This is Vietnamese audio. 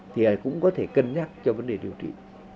thì ai cũng có thể cân nhắc cho vấn đề điều trị